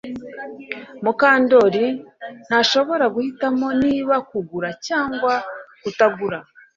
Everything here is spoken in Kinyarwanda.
Mukandoli ntashobora guhitamo niba kugura cyangwa kutagura